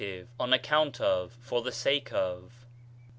on account of, for the sake of.